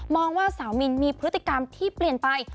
ว่าสาวมินมีพฤติกรรมที่เปลี่ยนไป